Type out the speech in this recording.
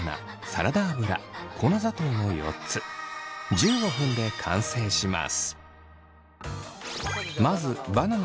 １５分で完成します。